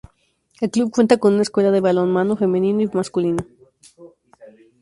El Club cuenta con una escuela de balonmano femenino y masculino.